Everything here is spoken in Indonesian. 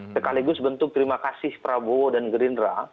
sekaligus bentuk terima kasih prabowo dan gerindra